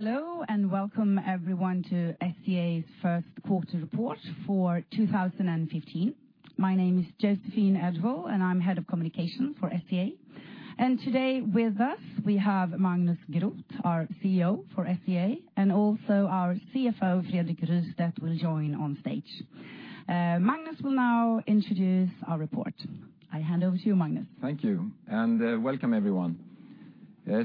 Hello, welcome everyone to SCA's first quarter report for 2015. My name is Joséphine Edwall-Björklund, and I'm head of communication for SCA. Today with us, we have Magnus Groth, our CEO for SCA, and also our CFO, Fredrik Rystedt will join on stage. Magnus will now introduce our report. I hand over to you, Magnus. Thank you, welcome everyone.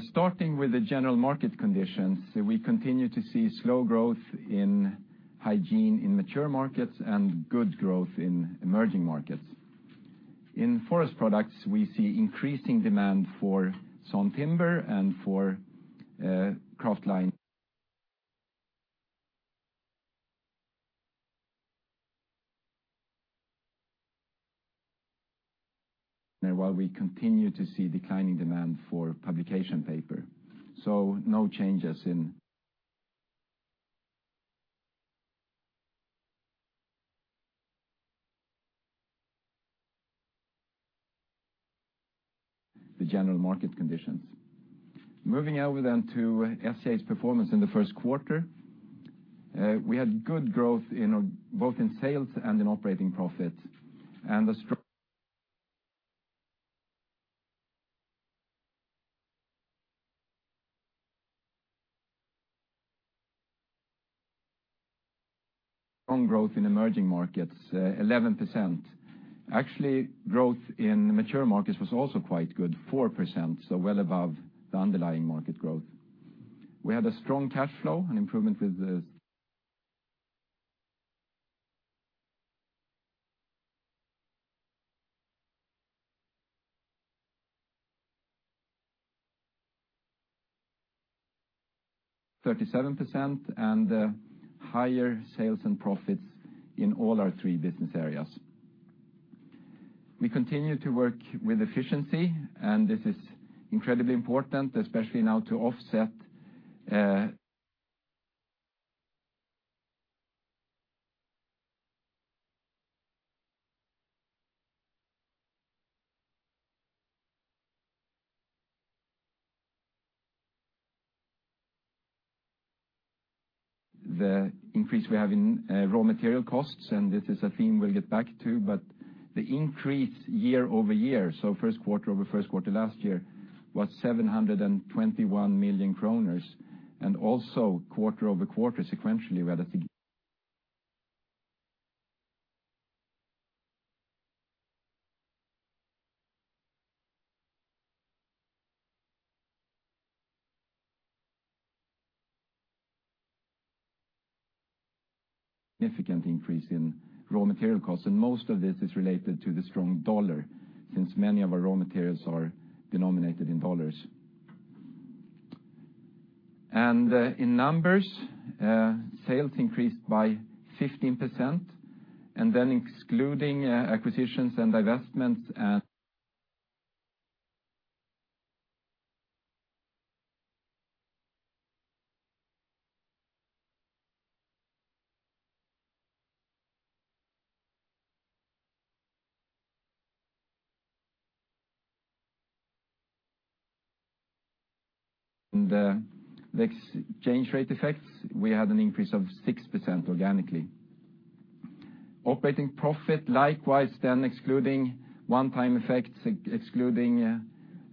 Starting with the general market conditions, we continue to see slow growth in hygiene in mature markets and good growth in emerging markets. In Forest Products, we see increasing demand for sawn timber and for kraftliner. While we continue to see declining demand for publication paper. No changes in the general market conditions. Moving over to SCA's performance in the first quarter. We had good growth both in sales and in operating profit, the strong growth in emerging markets, 11%. Actually, growth in mature markets was also quite good, 4%, so well above the underlying market growth. We had a strong cash flow, an improvement with the 37%, higher sales and profits in all our three business areas. We continue to work with efficiency, this is incredibly important, especially now to offset the increase we have in raw material costs, this is a theme we'll get back to, but the increase year-over-year, so first quarter over first quarter last year, was 721 million kronor, also quarter-over-quarter sequentially, we had a significant increase in raw material costs, most of this is related to the strong USD, since many of our raw materials are denominated in USD. In numbers, sales increased by 15%, then excluding acquisitions and divestments, the exchange rate effects, we had an increase of 6% organically. Operating profit, likewise, excluding one-time effects, excluding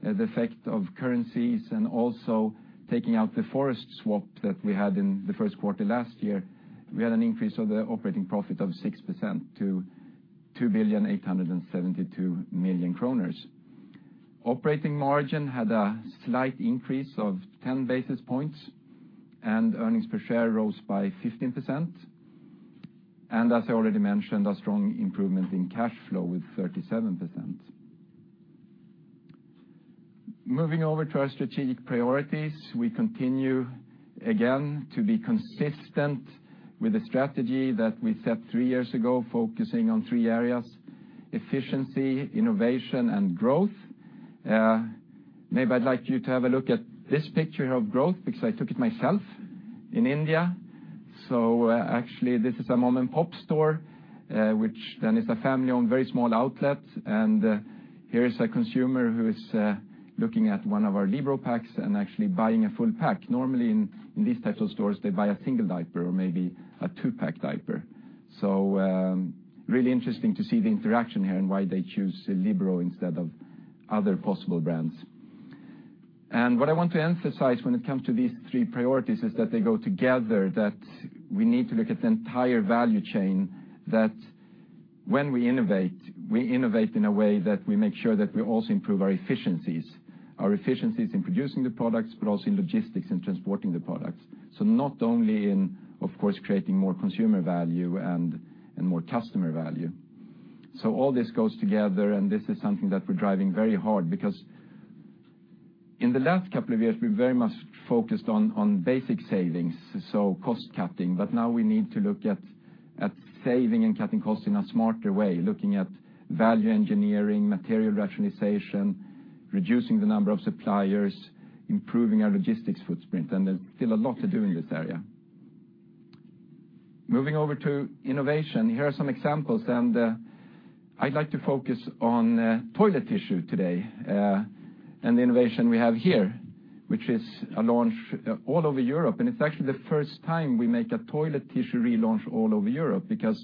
the effect of currencies, also taking out the forest swaps that we had in the first quarter last year, we had an increase of the operating profit of 6% to 2,872,000,000 kronor. Operating margin had a slight increase of 10 basis points, earnings per share rose by 15%. As I already mentioned, a strong improvement in cash flow with 37%. Moving over to our strategic priorities, we continue, again, to be consistent with the strategy that we set three years ago, focusing on three areas: efficiency, innovation, and growth. Maybe I'd like you to have a look at this picture of growth because I took it myself in India. Actually this is a mom-and-pop store, which then is a family-owned, very small outlet. Here is a consumer who is looking at one of our Libero packs and actually buying a full pack. Normally in these types of stores, they buy a single diaper or maybe a two-pack diaper. Really interesting to see the interaction here and why they choose Libero instead of other possible brands. What I want to emphasize when it comes to these three priorities is that they go together, that we need to look at the entire value chain, that when we innovate, we innovate in a way that we make sure that we also improve our efficiencies, our efficiencies in producing the products, but also in logistics and transporting the products. Not only in, of course, creating more consumer value and more customer value. All this goes together and this is something that we're driving very hard because in the last couple of years, we very much focused on basic savings, cost cutting. Now we need to look at saving and cutting costs in a smarter way, looking at value engineering, material rationalization, reducing the number of suppliers, improving our logistics footprint, and there's still a lot to do in this area. Moving over to innovation, here are some examples. I'd like to focus on toilet tissue today and the innovation we have here, which is a launch all over Europe. It's actually the first time we make a toilet tissue relaunch all over Europe because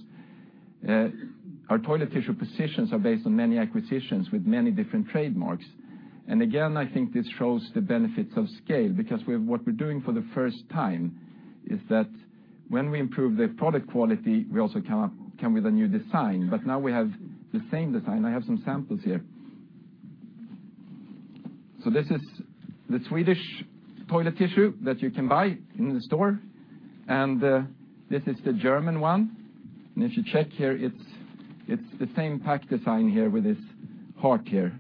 our toilet tissue positions are based on many acquisitions with many different trademarks. Again, I think this shows the benefits of scale, because what we're doing for the first time is that when we improve the product quality, we also come with a new design. Now we have the same design. I have some samples here. This is the Swedish toilet tissue that you can buy in the store, and this is the German one. If you check here, it's the same pack design here with its heart here.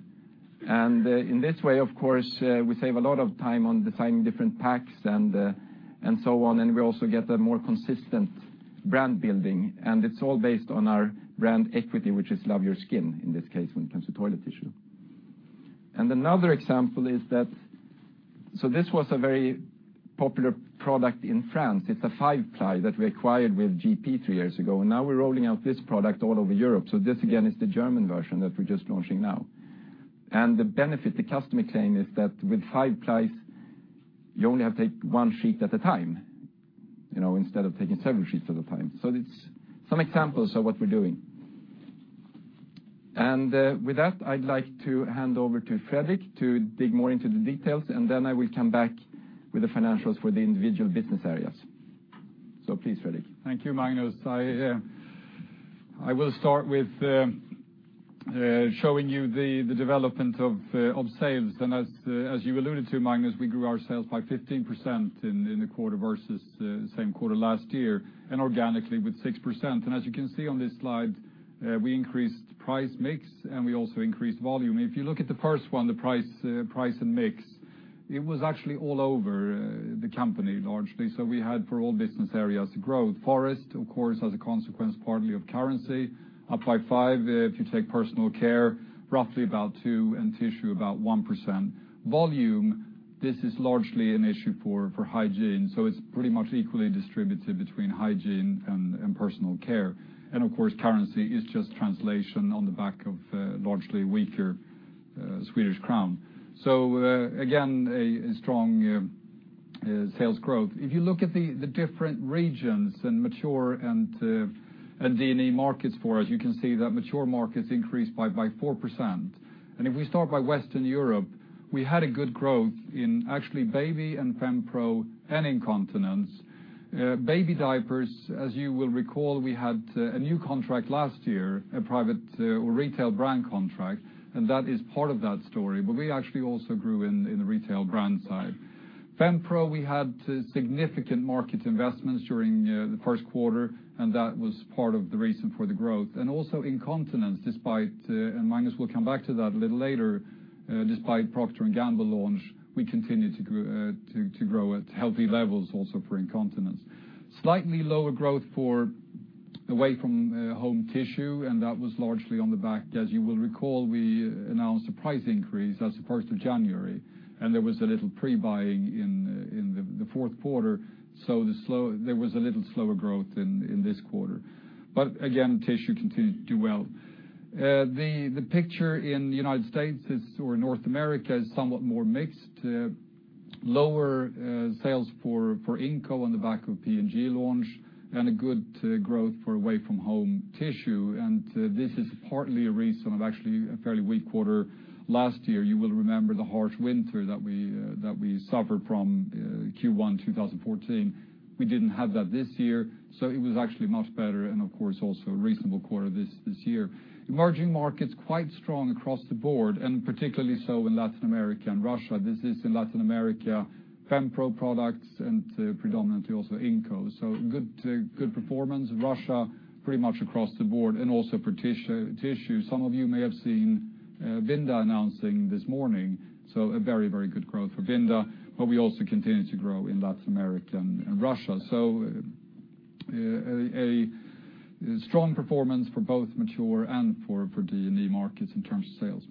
In this way, of course, we save a lot of time on designing different packs and so on. We also get a more consistent brand building, and it's all based on our brand equity, which is Love Your Skin, in this case, when it comes to toilet tissue. Another example is that, this was a very popular product in France. It's a 5-ply that we acquired with Georgia-Pacific three years ago. Now we're rolling out this product all over Europe. This again, is the German version that we're just launching now. The benefit the customer claim is that with 5 plies, you only have to take one sheet at a time, instead of taking several sheets at a time. It's some examples of what we're doing. With that, I'd like to hand over to Fredrik to dig more into the details, and then I will come back with the financials for the individual business areas. Please, Fredrik. Thank you, Magnus. I will start with showing you the development of sales. As you alluded to, Magnus, we grew our sales by 15% in the quarter versus the same quarter last year, and organically with 6%. As you can see on this slide, we increased price mix, and we also increased volume. If you look at the first one, the price and mix, it was actually all over the company largely. We had, for all business areas, growth. Forest, of course, as a consequence, partly of currency, up by 5%. If you take Personal Care, roughly about 2%, and Tissue about 1%. Volume, this is largely an issue for Hygiene. It's pretty much equally distributed between Hygiene and Personal Care. Of course, currency is just translation on the back of largely weaker Swedish krona. Again, a strong sales growth. If you look at the different regions and mature and D&E markets for us, you can see that mature markets increased by 4%. If we start by Western Europe, we had a good growth in actually Baby and Feminine Protection and Incontinence. Baby diapers, as you will recall, we had a new contract last year, a private retail brand contract, and that is part of that story. We actually also grew in the retail brand side. Feminine Protection, we had significant market investments during the first quarter, and that was part of the reason for the growth. Also Incontinence, despite, and Magnus will come back to that a little later, despite Procter & Gamble launch, we continued to grow at healthy levels also for Incontinence. Slightly lower growth for Away From Home Tissue, that was largely on the back, as you will recall, we announced a price increase as of 1st of January, and there was a little pre-buying in the fourth quarter. There was a little slower growth in this quarter. Again, Tissue continued to do well. The picture in the U.S. or North America is somewhat more mixed. Lower sales for Incontinence on the back of P&G launch and a good growth for Away From Home Tissue. This is partly a reason of actually a fairly weak quarter last year. You will remember the harsh winter that we suffered from Q1 2014. We didn't have that this year, it was actually much better, of course, also a reasonable quarter this year. Emerging markets, quite strong across the board, particularly so in Latin America and Russia. This is in Latin America, Feminine Protection products, predominantly also Incontinence. Good performance. Russia, pretty much across the board, also for Tissue. Some of you may have seen Vinda announcing this morning. A very good growth for Vinda, we also continue to grow in Latin America and Russia. A strong performance for both mature and for D&E markets in terms of sales.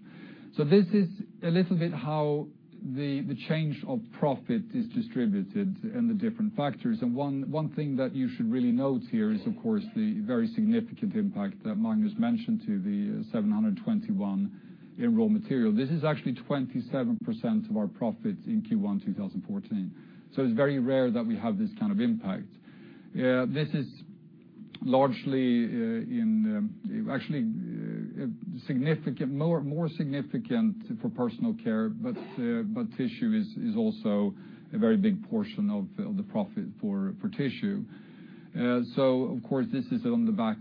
This is a little bit how the change of profit is distributed and the different factors. One thing that you should really note here is, of course, the very significant impact that Magnus mentioned to the 721 million in raw material. This is actually 27% of our profit in Q1 2014. It's very rare that we have this kind of impact. This is largely, actually more significant for Personal Care, but Tissue is also a very big portion of the profit for Tissue. Of course, this is on the back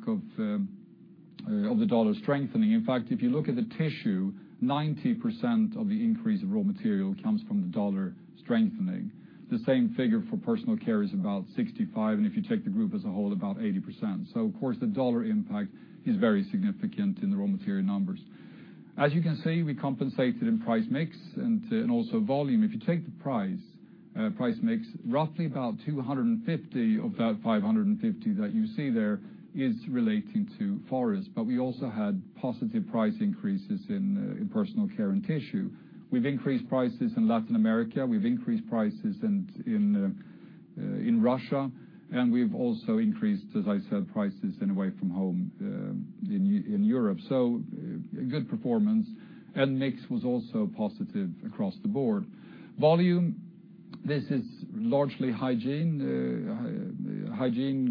of the Dollar strengthening. In fact, if you look at the Tissue, 90% of the increase of raw material comes from the Dollar strengthening. The same figure for Personal Care is about 65%, and if you take the group as a whole, about 80%. Of course, the Dollar impact is very significant in the raw material numbers. As you can see, we compensated in price mix and also volume. If you take the price mix, roughly about 250 of that 550 that you see there is relating to Forest. We also had positive price increases in Personal Care and Tissue. We've increased prices in Latin America. We've increased prices in Russia, we've also increased, as I said, prices in Away From Home in Europe. A good performance, and mix was also positive across the board. Volume, this is largely hygiene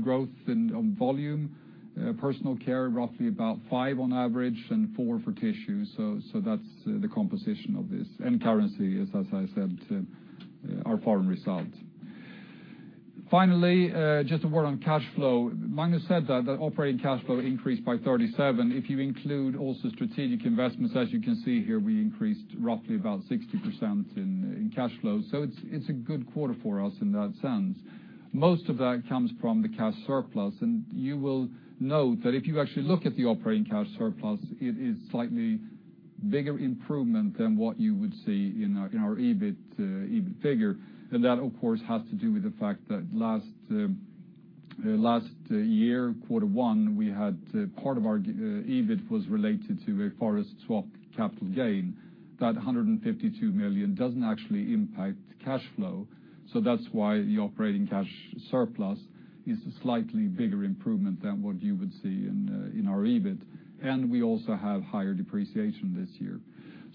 growth on volume. Personal Care, roughly about 5% on average, and 4% for Tissue. That's the composition of this. Currency is, as I said, our foreign results. Finally, just a word on cash flow. Magnus said that operating cash flow increased by 37%. If you include also strategic investments, as you can see here, we increased roughly about 60% in cash flow. It's a good quarter for us in that sense. Most of that comes from the cash surplus. You will note that if you actually look at the operating cash surplus, it is a slightly bigger improvement than what you would see in our EBIT figure. That, of course, has to do with the fact that last year, Q1, part of our EBIT was related to a Forest swaps capital gain. That 152 million doesn't actually impact cash flow, that's why the operating cash surplus is a slightly bigger improvement than what you would see in our EBIT. We also have higher depreciation this year.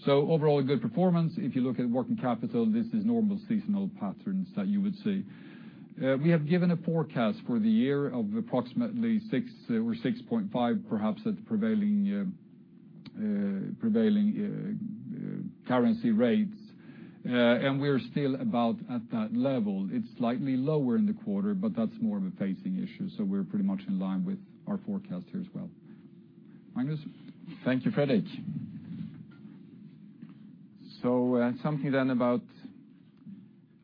Overall, a good performance. If you look at working capital, this is normal seasonal patterns that you would see. We have given a forecast for the year of approximately 6% or 6.5%, perhaps, at the prevailing currency rates, and we're still about at that level. It's slightly lower in the quarter, but that's more of a pacing issue, so we're pretty much in line with our forecast here as well. Magnus? Thank you, Fredrik. Something then about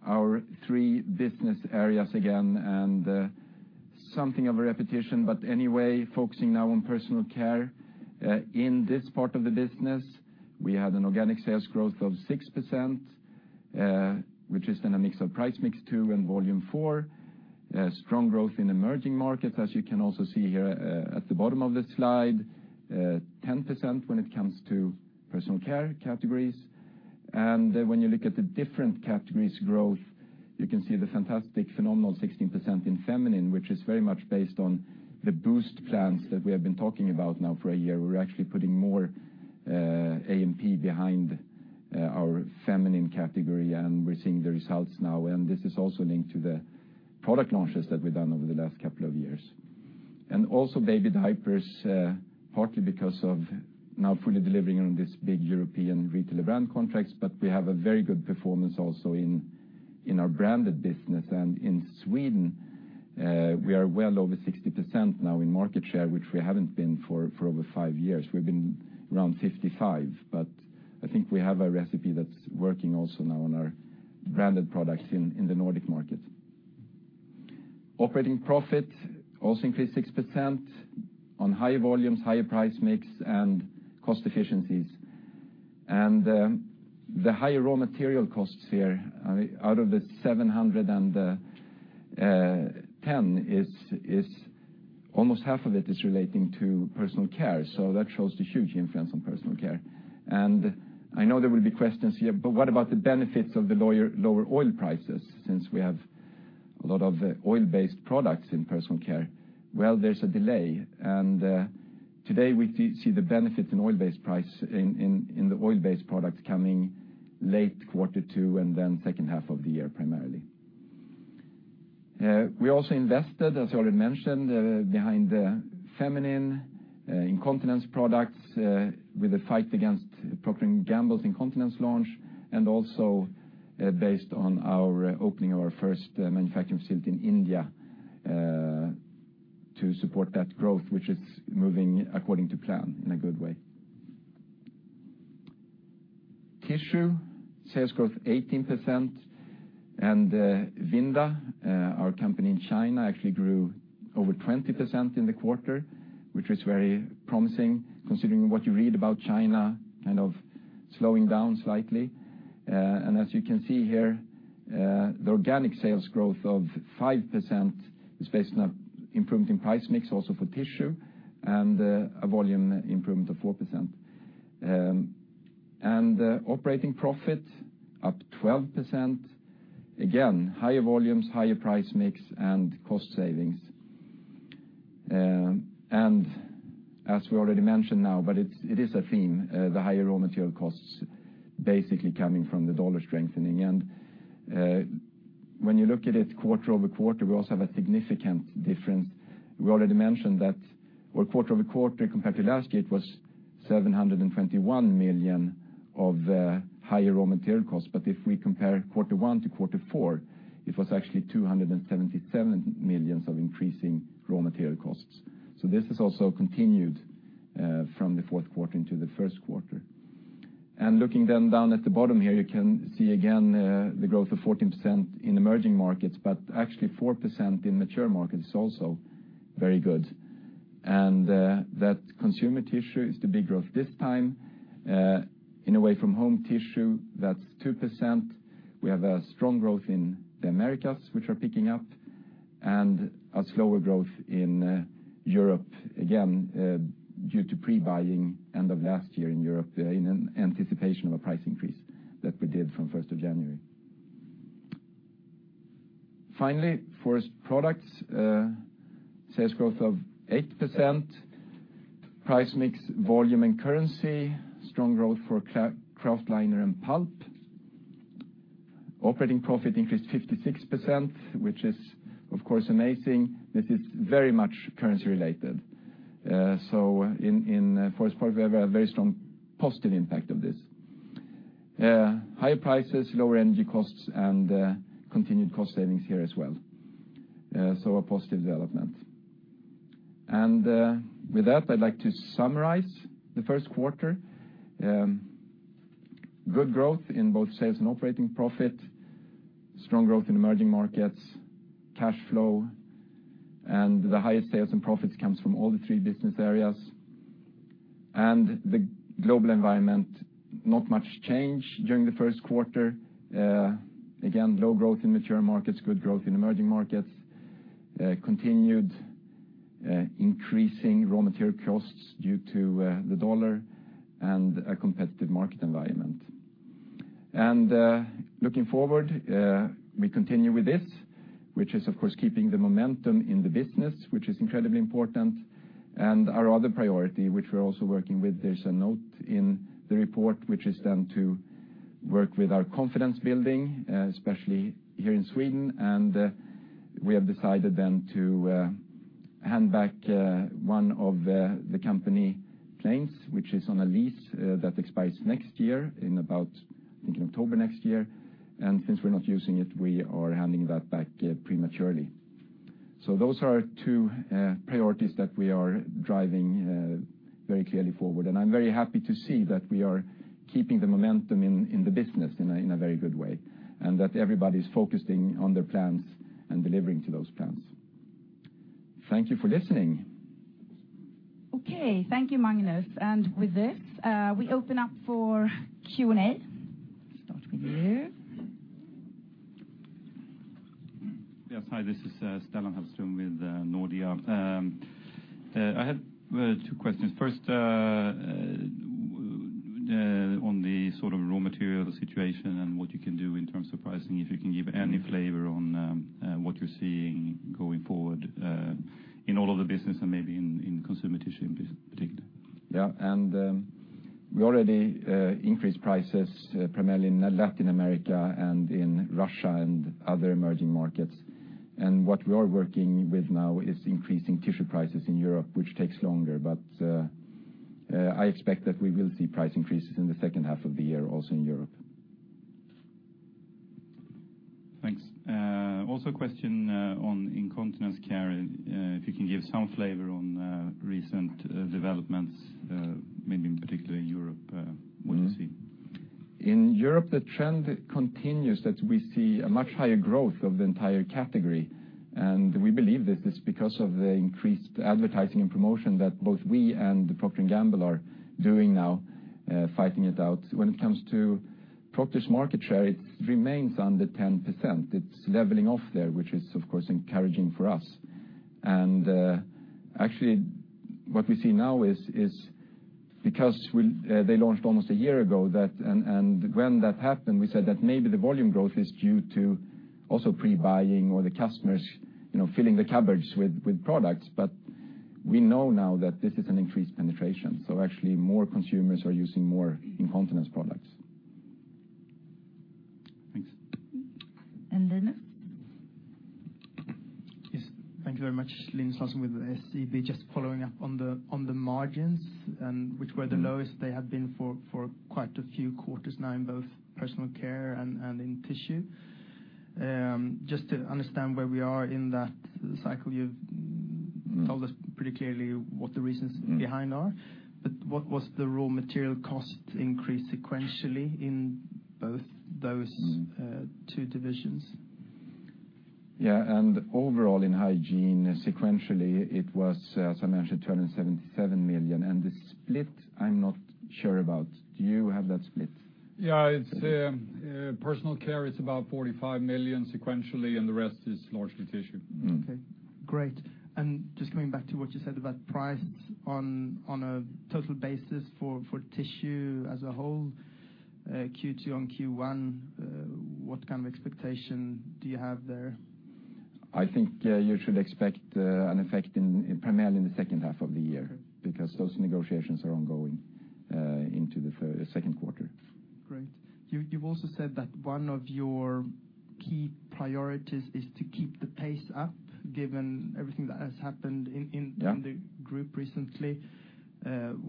our three business areas again, something of a repetition, but anyway, focusing now on Personal Care. In this part of the business, we had an organic sales growth of 6%, which is then a mix of price mix 2% and volume 4%. Strong growth in emerging markets, as you can also see here at the bottom of the slide. 10% when it comes to Personal Care categories. When you look at the different categories growth, you can see the fantastic, phenomenal 16% in Feminine, which is very much based on the boost plans that we have been talking about now for a year. We're actually putting more A&P behind our Feminine category, and we're seeing the results now. This is also linked to the product launches that we've done over the last couple of years. Also baby diapers, partly because of now fully delivering on this big European retailer brand contracts, but we have a very good performance also in our branded business. In Sweden, we are well over 60% now in market share, which we haven't been for over five years. We've been around 55, but I think we have a recipe that's working also now on our branded products in the Nordic market. Operating profit also increased 6% on higher volumes, higher price mix, and cost efficiencies. The higher raw material costs here, out of the 710, almost half of it is relating to Personal Care, so that shows the huge influence on Personal Care. I know there will be questions here, but what about the benefits of the lower oil prices, since we have a lot of oil-based products in Personal Care? There's a delay, today we see the benefits in the oil-based products coming late Q2 and then second half of the year, primarily. We also invested, as already mentioned, behind the feminine incontinence products with a fight against Procter & Gamble's incontinence launch, and also based on our opening of our first manufacturing facility in India to support that growth, which is moving according to plan in a good way. Tissue, sales growth 18%, and Vinda, our company in China, actually grew over 20% in the quarter, which was very promising considering what you read about China kind of slowing down slightly. As you can see here, the organic sales growth of 5% is based on improvement in price mix also for tissue and a volume improvement of 4%. Operating profit up 12%. Again, higher volumes, higher price mix, and cost savings. As we already mentioned now, but it is a theme, the higher raw material costs basically coming from the dollar strengthening. When you look at it quarter-over-quarter, we also have a significant difference. We already mentioned that quarter-over-quarter compared to last year, it was 721 million of higher raw material costs. If we compare Q1 to Q4, it was actually 277 million of increasing raw material costs. This has also continued from the fourth quarter into the first quarter. Looking then down at the bottom here, you can see again the growth of 14% in emerging markets, but actually 4% in mature markets is also very good. That consumer tissue is the big growth this time. In Away From Home tissue, that's 2%. We have a strong growth in the Americas, which are picking up. A slower growth in Europe, again, due to pre-buying end of last year in Europe in anticipation of a price increase that we did from 1st of January. Finally, Forest Products, sales growth of 8%, price mix, volume and currency, strong growth for kraftliner and pulp. Operating profit increased 56%, which is, of course, amazing. This is very much currency related. In Forest Products, we have a very strong positive impact of this. Higher prices, lower energy costs, and continued cost savings here as well. A positive development. With that, I'd like to summarize the first quarter. Good growth in both sales and operating profit, strong growth in emerging markets, cash flow, and the highest sales and profits comes from all the three business areas. The global environment, not much change during the first quarter. Again, low growth in mature markets, good growth in emerging markets, continued increasing raw material costs due to the dollar and a competitive market environment. Looking forward, we continue with this, which is, of course, keeping the momentum in the business, which is incredibly important, and our other priority, which we're also working with, there's a note in the report, which is then to work with our confidence building, especially here in Sweden, and we have decided then to hand back one of the company planes, which is on a lease that expires next year in about, I think, October next year. Since we're not using it, we are handing that back prematurely. Those are two priorities that we are driving very clearly forward. I'm very happy to see that we are keeping the momentum in the business in a very good way, and that everybody's focusing on their plans and delivering to those plans. Thank you for listening. Okay. Thank you, Magnus. With this, we open up for Q&A. Start with you. Yes. Hi, this is Stellan Hafström with Nordea. I had two questions. First on the raw material situation and what you can do in terms of pricing, if you can give any flavor on what you're seeing going forward in all of the business and maybe in consumer tissue in particular. We already increased prices primarily in Latin America and in Russia and other emerging markets. What we are working with now is increasing tissue prices in Europe, which takes longer. I expect that we will see price increases in the second half of the year also in Europe. Thanks. Also a question on incontinence care, if you can give some flavor on recent developments, maybe particularly in Europe, what you see. In Europe, the trend continues that we see a much higher growth of the entire category, and we believe this is because of the increased advertising and promotion that both we and Procter & Gamble are doing now, fighting it out. When it comes to Procter's market share, it remains under 10%. It's leveling off there, which is, of course, encouraging for us. Actually, what we see now is because they launched almost a year ago, and when that happened, we said that maybe the volume growth is due to also pre-buying or the customers filling the cupboards with products. We know now that this is an increased penetration. Actually, more consumers are using more incontinence products. Thanks. Linus? Yes. Thank you very much. Linus Larsson with SEB. Just following up on the margins, which were the lowest they had been for quite a few quarters now in both Personal Care and in Tissue. Just to understand where we are in that cycle, you've told us pretty clearly what the reasons behind are. What was the raw material cost increase sequentially in both those two divisions? Yeah. Overall in Hygiene, sequentially, it was, as I mentioned, 277 million. The split, I'm not sure about. Do you have that split? Yeah. Personal Care is about 45 million sequentially, the rest is largely Tissue. Okay, great. Just coming back to what you said about price on a total basis for Tissue as a whole, Q2 on Q1, what kind of expectation do you have there? I think you should expect an effect primarily in the second half of the year because those negotiations are ongoing into the second quarter. Great. You've also said that one of your key priorities is to keep the pace up, given everything that has happened in- Yeah the group recently.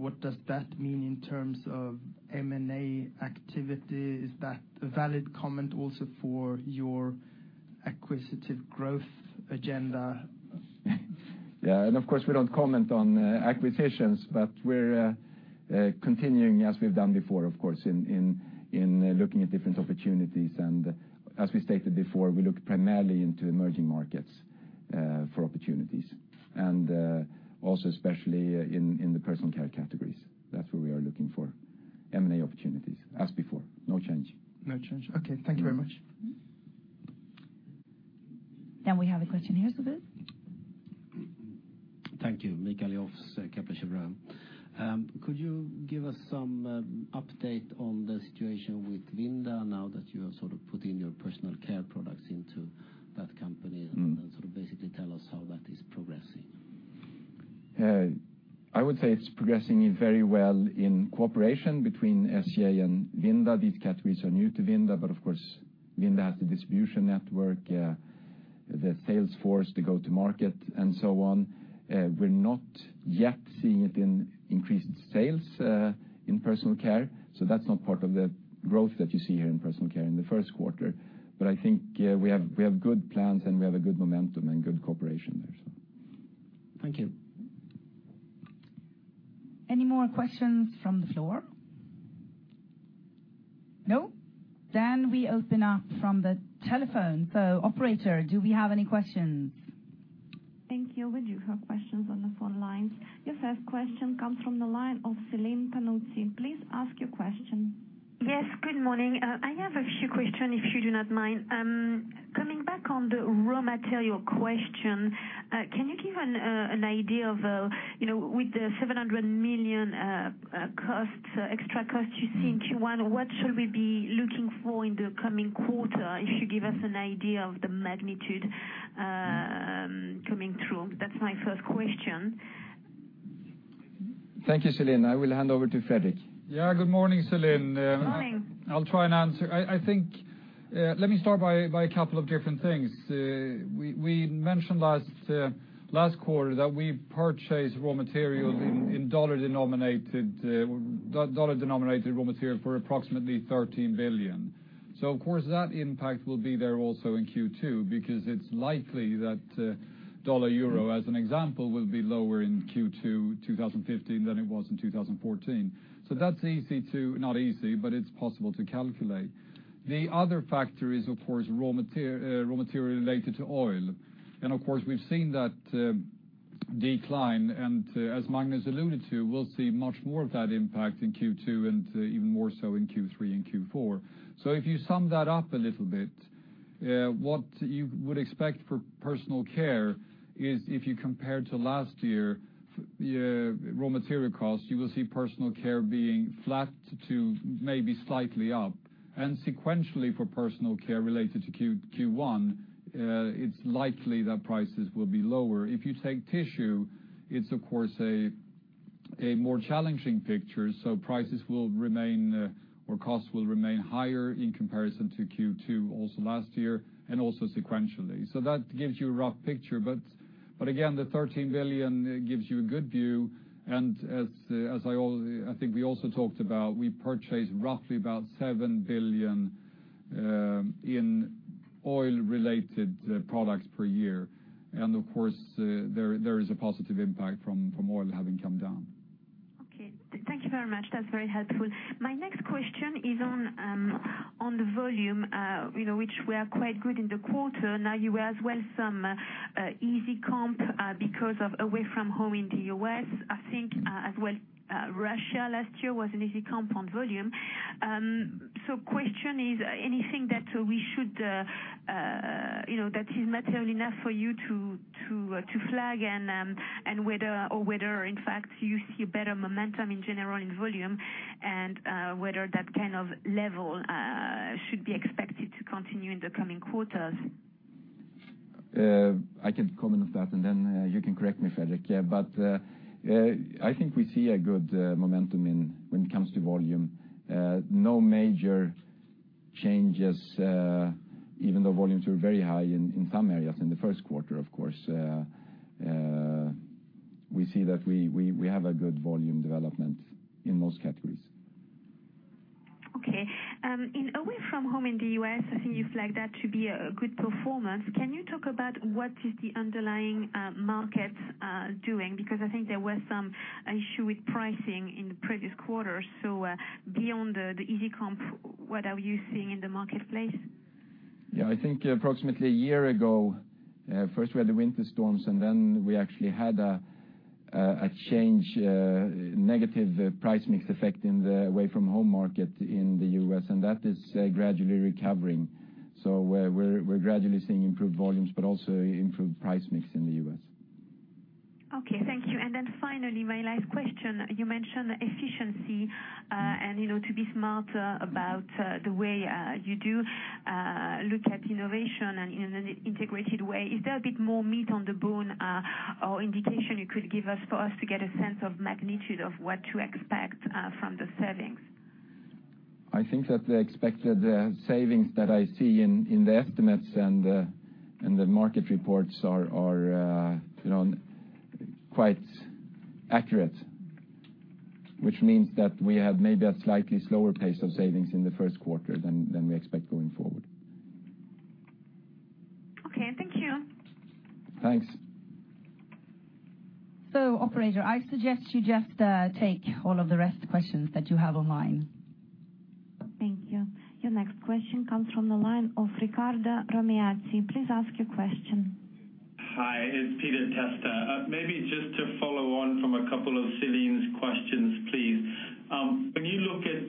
What does that mean in terms of M&A activity? Is that a valid comment also for your acquisitive growth agenda? Yeah. Of course, we don't comment on acquisitions, but we're continuing as we've done before, of course, in looking at different opportunities. As we stated before, we look primarily into emerging markets. Opportunities. Also especially in the Personal Care categories. That's where we are looking for M&A opportunities as before. No change. No change. Okay. Thank you very much. We have a question here, Sobhit. Thank you. Mikael Almquist, Kepler Cheuvreux. Could you give us some update on the situation with Vinda now that you are sort of putting your Personal Care products into that company. Could you sort of basically tell us how that is progressing? I would say it's progressing very well in cooperation between SCA and Vinda. These categories are new to Vinda, but of course, Vinda has the distribution network, the sales force to go to market and so on. We're not yet seeing it in increased sales in Personal Care, so that's not part of the growth that you see here in Personal Care in the first quarter. I think, we have good plans and we have a good momentum and good cooperation there. Thank you. Any more questions from the floor? No? We open up from the telephone. Operator, do we have any questions? Thank you. We do have questions on the phone lines. Your first question comes from the line of Céline Pannuti. Please ask your question. Yes, good morning. I have a few question if you do not mind. Coming back on the raw material question, can you give an idea of, with the 700 million extra costs you see in Q1, what should we be looking for in the coming quarter? If you give us an idea of the magnitude coming through. That's my first question. Thank you, Céline. I will hand over to Fredrik. Yeah, good morning, Céline. Good morning. I'll try and answer. Let me start by a couple of different things. We mentioned last quarter that we purchased raw material in dollar-denominated raw material for approximately $13 billion. Of course, that impact will be there also in Q2 because it's likely that Dollar EUR, as an example, will be lower in Q2 2015 than it was in 2014. That's not easy, but it's possible to calculate. The other factor is, of course, raw material related to oil. Of course, we've seen that decline and as Magnus alluded to, we'll see much more of that impact in Q2 and even more so in Q3 and Q4. If you sum that up a little bit, what you would expect for Personal Care is if you compare to last year, raw material costs, you will see Personal Care being flat to maybe slightly up. Sequentially for Personal Care related to Q1, it's likely that prices will be lower. If you take Tissue, it's of course a more challenging picture. Prices will remain or costs will remain higher in comparison to Q2 also last year, and also sequentially. That gives you a rough picture, but again, the $13 billion gives you a good view and as I think we also talked about, we purchased roughly about $7 billion in oil-related products per year. Of course, there is a positive impact from oil having come down. Okay. Thank you very much. That's very helpful. My next question is on the volume, which were quite good in the quarter. Now you were as well some easy comp, because of Away From Home in the U.S., I think, as well, Russia last year was an easy comp on volume. Question is, anything that is material enough for you to flag and whether in fact you see a better momentum in general in volume and whether that kind of level should be expected to continue in the coming quarters? I can comment on that and then you can correct me, Fredrik. I think we see a good momentum when it comes to volume. No major changes, even though volumes were very high in some areas in the first quarter of course. We see that we have a good volume development in most categories. Okay. In Away From Home in the U.S., I think you flagged that to be a good performance. Can you talk about what is the underlying market doing? I think there were some issue with pricing in the previous quarter. Beyond the easy comp, what are you seeing in the marketplace? Yeah, I think approximately a year ago, first we had the winter storms, and then we actually had a change, negative price mix effect in the Away From Home market in the U.S. and that is gradually recovering. We're gradually seeing improved volumes, but also improved price mix in the U.S. Okay, thank you. Finally my last question. You mentioned efficiency, and to be smart about the way you do look at innovation and in an integrated way. Is there a bit more meat on the bone, or indication you could give us for us to get a sense of magnitude of what to expect from the savings? I think that the expected savings that I see in the estimates and the market reports are quite accurate, which means that we have maybe a slightly slower pace of savings in the first quarter than we expect going forward. Okay. Thank you. Thanks. Operator, I suggest you just take all of the rest questions that you have online. Thank you. Your next question comes from the line of Riccardo Ramaiazzi. Please ask your question. Hi, it's Peter Testa. Maybe just to follow on from a couple of Celine's questions, please.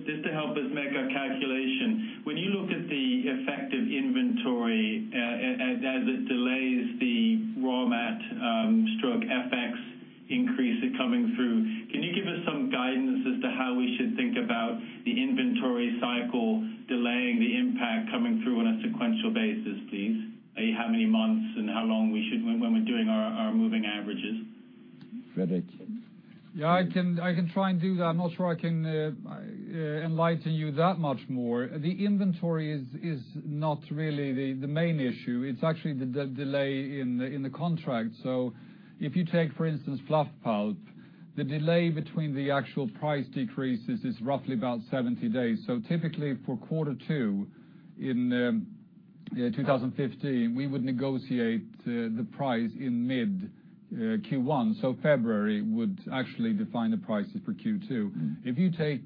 Just to help us make our calculation, when you look at the effect of inventory, as it delays the raw mat/FX increase coming through, can you give us some guidance as to how we should think about the inventory cycle delaying the impact coming through on a sequential basis, please? How many months and how long we should when we're doing our moving averages? Fredrik? Yeah, I can try and do that. I'm not sure I can enlighten you that much more. The inventory is not really the main issue. It's actually the delay in the contract. If you take, for instance, fluff pulp, the delay between the actual price decreases is roughly about 70 days. Typically for quarter two in 2015, we would negotiate the price in mid Q1, so February would actually define the prices for Q2. If you take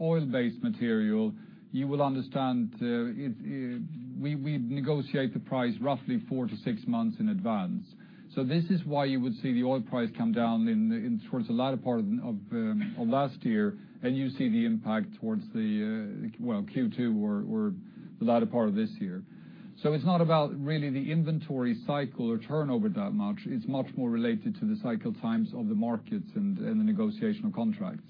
oil-based material, you will understand we negotiate the price roughly four to six months in advance. This is why you would see the oil price come down towards the latter part of last year, and you see the impact towards Q2 or the latter part of this year. It's not about really the inventory cycle or turnover that much. It's much more related to the cycle times of the markets and the negotiation of contracts.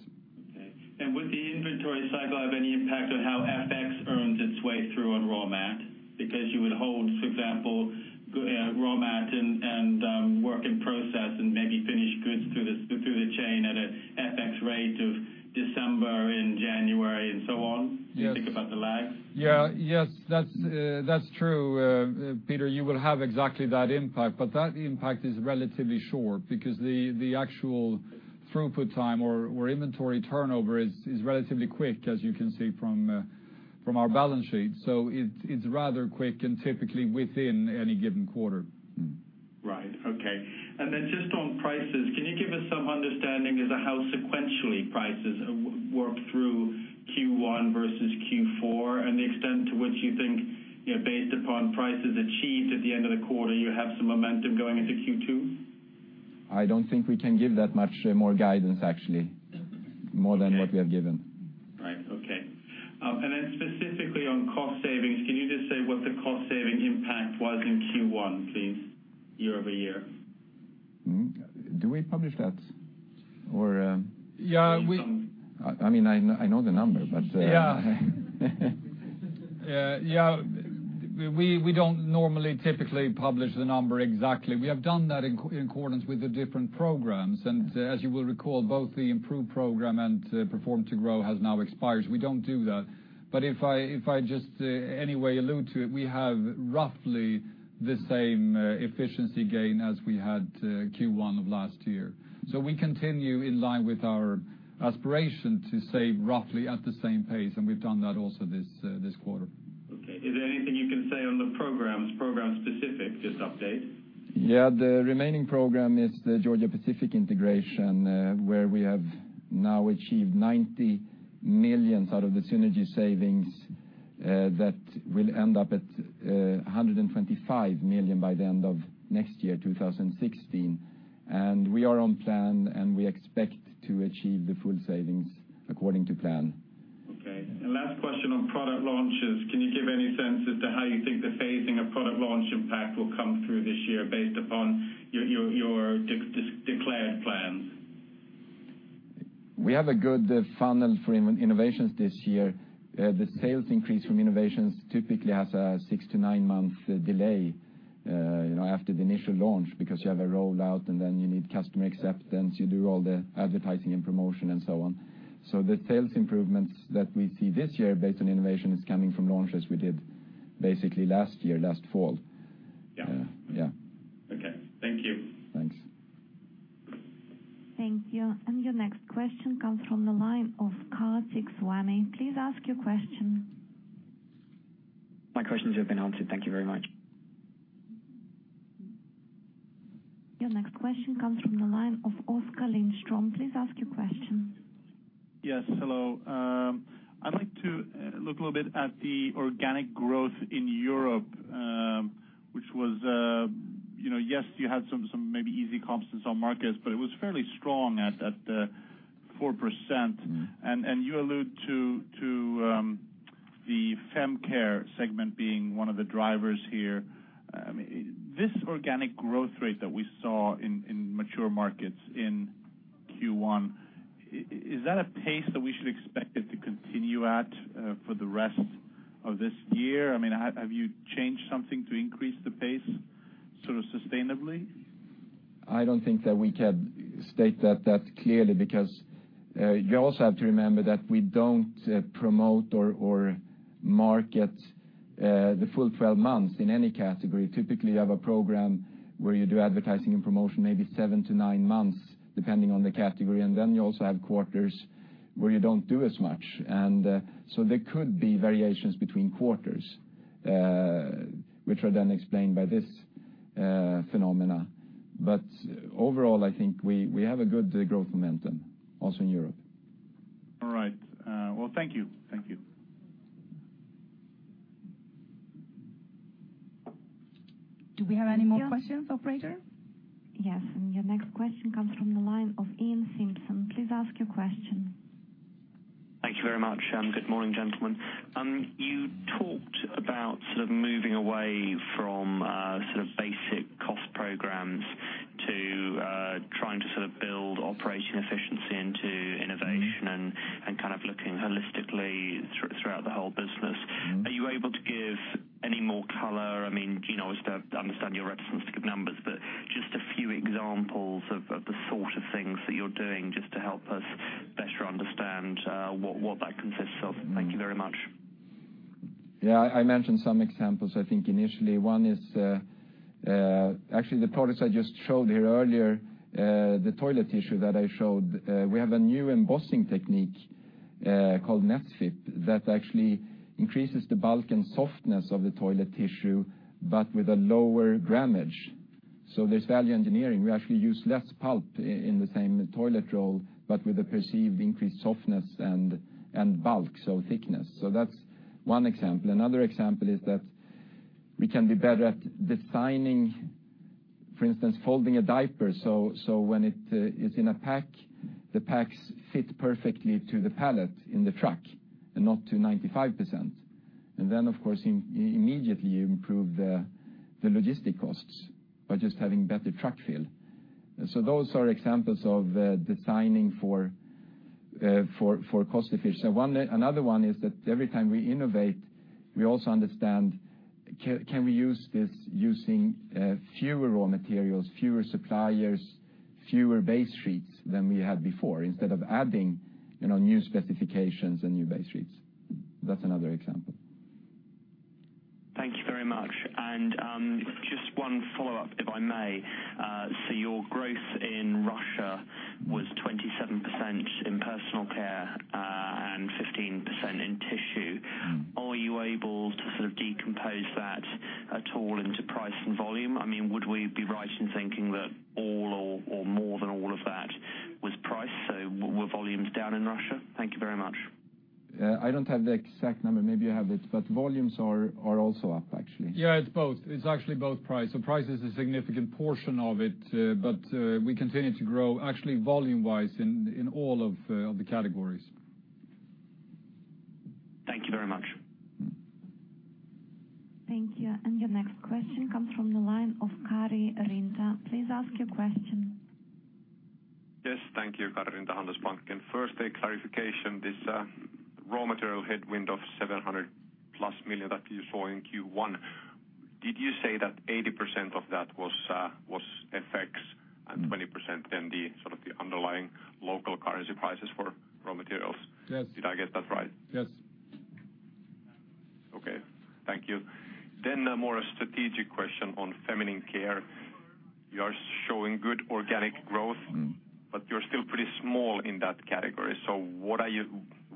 Okay. Would the inventory cycle have any impact on how FX earns its way through on raw mat? Because you would hold, for example, raw mat and work in process and maybe finished goods through the chain at an FX rate of December and January and so on. Yes. You think about the lag. Yeah. Yes, that's true, Peter. You will have exactly that impact. That impact is relatively short because the actual throughput time or inventory turnover is relatively quick, as you can see from our balance sheet. It's rather quick and typically within any given quarter. Right. Okay. Just on prices, can you give us some understanding as to how sequentially prices work through Q1 versus Q4 and the extent to which you think, based upon prices achieved at the end of the quarter, you have some momentum going into Q2? I don't think we can give that much more guidance actually, more than what we have given. Right. Okay. Specifically on cost savings, can you just say what the cost-saving impact was in Q1, please, year-over-year? Do we publish that? Yeah. I know the number. Yeah. We don't normally typically publish the number exactly. We have done that in accordance with the different programs, and as you will recall, both the Improve program and Perform to Grow has now expired, so we don't do that. If I just anyway allude to it, we have roughly the same efficiency gain as we had Q1 of last year. We continue in line with our aspiration to save roughly at the same pace, and we've done that also this quarter. Okay. Is there anything you can say on the programs, program-specific, just update? Yeah. The remaining program is the Georgia-Pacific integration, where we have now achieved 90 million out of the synergy savings that will end up at 125 million by the end of next year, 2016. We are on plan, and we expect to achieve the full savings according to plan. Okay. Last question on product launches. Can you give any sense as to how you think the phasing of product launch impact will come through this year based upon your declared plans? We have a good funnel for innovations this year. The sales increase from innovations typically has a six to nine-month delay after the initial launch because you have a rollout and then you need customer acceptance. You do all the advertising and promotion and so on. The sales improvements that we see this year based on innovation is coming from launches we did basically last year, last fall. Yeah. Yeah. Okay. Thank you. Thanks. Thank you. Your next question comes from the line of Karthik Swamy. Please ask your question. My questions have been answered. Thank you very much. Your next question comes from the line of Oskar Lindström. Please ask your question. Yes, hello. I'd like to look a little bit at the organic growth in Europe, which was, yes, you had some maybe easy comps in some markets, but it was fairly strong at 4%. You allude to the Fem Care segment being one of the drivers here. This organic growth rate that we saw in mature markets in Q1, is that a pace that we should expect it to continue at for the rest of this year? Have you changed something to increase the pace sort of sustainably? I don't think that we can state that clearly because you also have to remember that we don't promote or market the full 12 months in any category. Typically, you have a program where you do advertising and promotion maybe seven to nine months Depending on the category, you also have quarters where you don't do as much. There could be variations between quarters, which are then explained by this phenomena. Overall, I think we have a good growth momentum also in Europe. All right. Well, thank you. Do we have any more questions operator? Yes. Your next question comes from the line of Ian Simpson. Please ask your question. Thank you very much, good morning, gentlemen. You talked about sort of moving away from basic cost programs to trying to build operating efficiency into innovation and kind of looking holistically throughout the whole business. Are you able to give any more color? I understand your reticence to give numbers, but just a few examples of the sort of things that you're doing just to help us better understand what that consists of. Thank you very much. Yeah. I mentioned some examples, I think initially one is, actually the products I just showed here earlier, the toilet tissue that I showed, we have a new embossing technique, called [NetFip], that actually increases the bulk and softness of the toilet tissue, but with a lower grammage. There's value engineering. We actually use less pulp in the same toilet roll, but with a perceived increased softness and bulk, so thickness. That's one example. Another example is that we can be better at designing, for instance, folding a diaper, so when it is in a pack, the packs fit perfectly to the pallet in the truck and not to 95%. Then, of course, immediately you improve the logistic costs by just having better truck fill. Those are examples of designing for cost efficiency. Another one is that every time we innovate, we also understand can we use this using fewer raw materials, fewer suppliers, fewer base sheets than we had before instead of adding new specifications and new base sheets. That's another example. Thank you very much. Just one follow-up, if I may. Your growth in Russia was 27% in Personal Care, and 15% in Tissue. Are you able to sort of decompose that at all into price and volume? Would we be right in thinking that all or more than all of that was price? Were volumes down in Russia? Thank you very much. I don't have the exact number. Maybe you have it, volumes are also up, actually. It's both. It's actually both price is a significant portion of it, we continue to grow actually volume-wise in all of the categories. Thank you very much. Thank you. Your next question comes from the line of Kari Ryynänen. Please ask your question. Yes. Thank you, Kari Ryynänen, Handelsbanken. First, a clarification. This raw material headwind of 700-plus million that you saw in Q1, did you say that 80% of that was FX and 20% then the underlying local currency prices for raw materials? Yes. Did I get that right? Yes. Okay, thank you. More a strategic question on feminine care. You are showing good organic growth, but you're still pretty small in that category.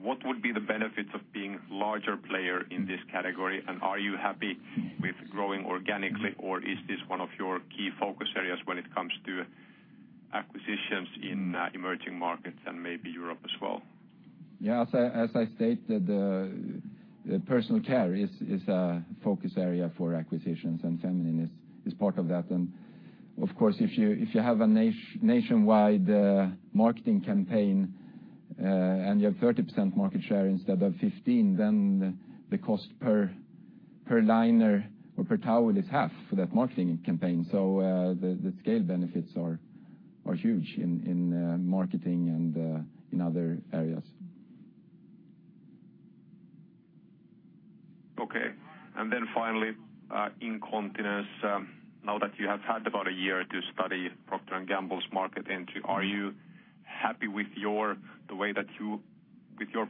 What would be the benefits of being larger player in this category? Are you happy with growing organically, or is this one of your key focus areas when it comes to acquisitions in emerging markets and maybe Europe as well? As I stated, Personal Care is a focus area for acquisitions. Feminine is part of that. Of course, if you have a nationwide marketing campaign, and you have 30% market share instead of 15, then the cost per liner or per towel is half for that marketing campaign. The scale benefits are huge in marketing and in other areas. Finally, Incontinence. Now that you have had about a year to study Procter & Gamble's market entry, are you happy with your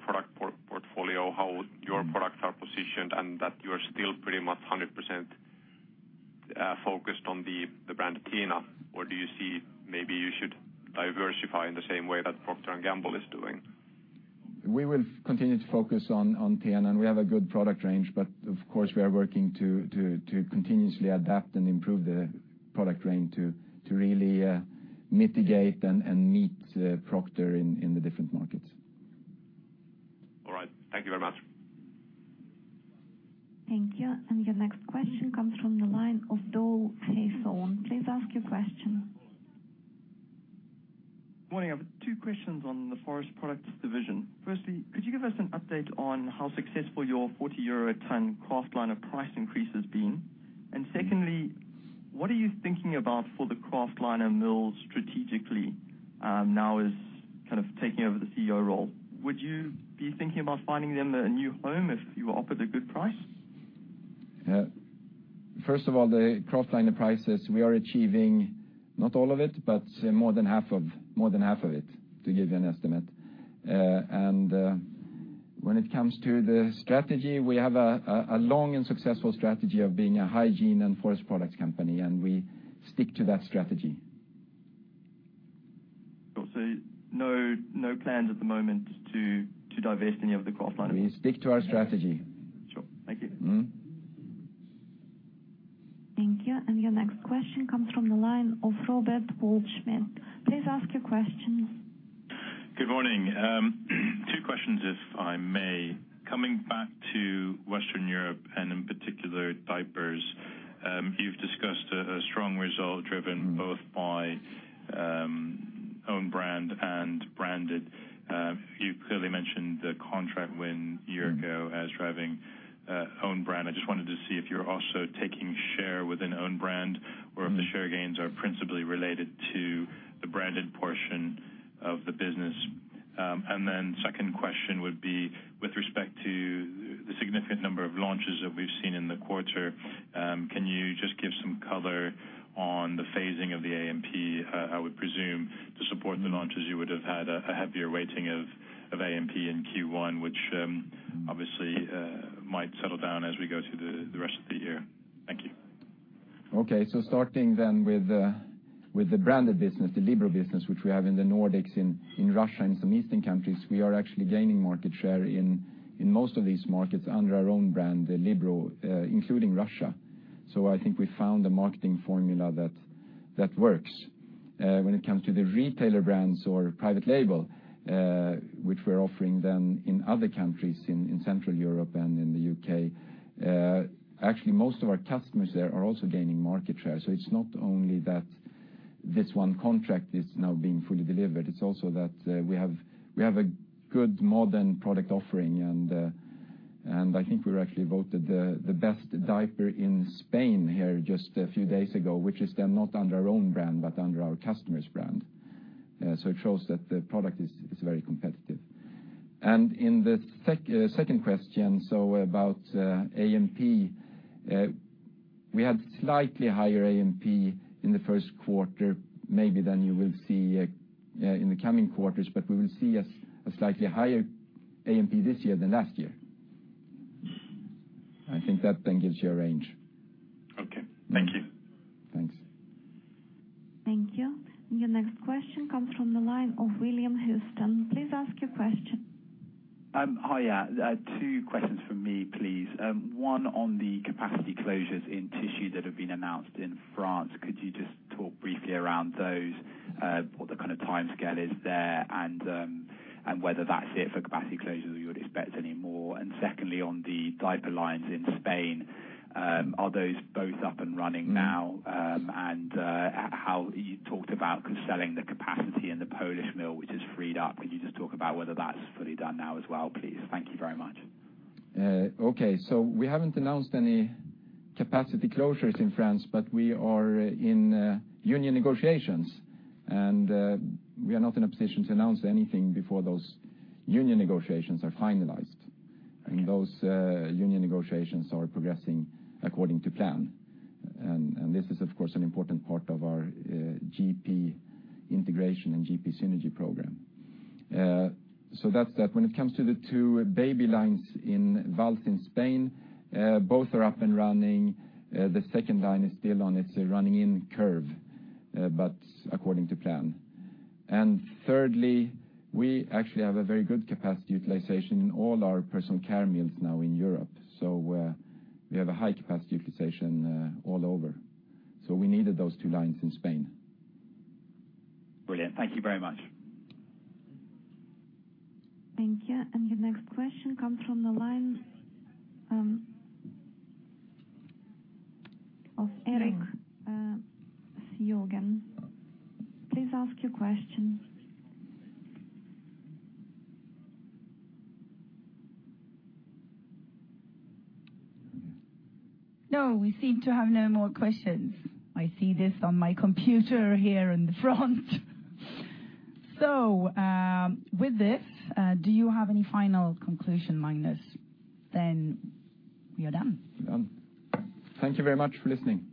product portfolio, how your products are positioned, and that you're still pretty much 100% focused on the brand TENA? Do you see maybe you should diversify in the same way that Procter & Gamble is doing? We will continue to focus on TENA, and we have a good product range, but of course we are working to continuously adapt and improve the product range to really mitigate and meet Procter in the different markets. Thank you very much. Thank you. Your next question comes from the line of Cole Hathorn. Please ask your question. Morning. I have two questions on the Forest Products division. Firstly, could you give us an update on how successful your 40 euro a tonne kraftliner price increase has been? Secondly, what are you thinking about for the kraftliner mills strategically now as kind of taking over the CEO role? Would you be thinking about finding them a new home if you were offered a good price? First of all, the kraftliner prices, we are achieving not all of it, but more than half of it, to give you an estimate. When it comes to the strategy, we have a long and successful strategy of being a hygiene and Forest Products company, and we stick to that strategy. No plans at the moment to divest any of the kraftliner- We stick to our strategy. Sure. Thank you. Thank you. Your next question comes from the line of Robert Goldsmid. Please ask your question. Good morning. Two questions if I may. Coming back to Western Europe, in particular, diapers. You've discussed a strong result driven both by own brand and branded. You clearly mentioned the contract win a year ago as driving own brand. I just wanted to see if you're also taking share within own brand or if the share gains are principally related to the branded portion of the business. Second question would be with respect to the significant number of launches that we've seen in the quarter, can you just give some color on the phasing of the A&P? I would presume to support the launches you would have had a heavier weighting of A&P in Q1, which, obviously, might settle down as we go through the rest of the year. Thank you. Starting with the branded business, the Libero business, which we have in the Nordics, in Russia, and some Eastern countries. We are actually gaining market share in most of these markets under our own brand, Libero, including Russia. I think we found a marketing formula that works. When it comes to the retailer brands or private label, which we are offering in other countries, in Central Europe and in the U.K. Actually, most of our customers there are also gaining market share. It is not only that this one contract is now being fully delivered, it is also that we have a good modern product offering. I think we were actually voted the best diaper in Spain here just a few days ago, which is not under our own brand, but under our customer's brand. It shows that the product is very competitive. In the second question, about A&P. We had slightly higher A&P in the first quarter, maybe than you will see in the coming quarters, but we will see a slightly higher A&P this year than last year. I think that gives you a range. Okay. Thank you. Thanks. Thank you. Your next question comes from the line of William Huston. Please ask your question. Hi. Two questions from me, please. One on the capacity closures in tissue that have been announced in France. Could you just talk briefly around those? What the kind of timescale is there, whether that's it for capacity closures, or you would expect any more? Secondly, on the diaper lines in Spain, are those both up and running now? You talked about selling the capacity in the Polish mill, which is freed up. Could you just talk about whether that's fully done now as well, please? Thank you very much. Okay. We haven't announced any capacity closures in France, but we are in union negotiations and we are not in a position to announce anything before those union negotiations are finalized. Those union negotiations are progressing according to plan. This is, of course, an important part of our Georgia-Pacific integration and Georgia-Pacific synergy program. That's that. When it comes to the two baby lines in Valls in Spain, both are up and running. The second line is still on its running in-curve, but according to plan. Thirdly, we actually have a very good capacity utilization in all our Personal Care mills now in Europe. We have a high-capacity utilization all over. We needed those two lines in Spain. Brilliant. Thank you very much. Thank you. Your next question comes from the line of [Eric Seoguen]. Please ask your question. No, we seem to have no more questions. I see this on my computer here in the front. With this, do you have any final conclusion, Magnus? We are done. We're done. Thank you very much for listening.